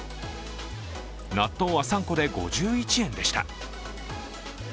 納豆は３個で５１円でした。